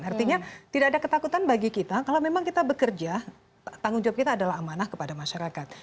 artinya tidak ada ketakutan bagi kita kalau memang kita bekerja tanggung jawab kita adalah amanah kepada masyarakat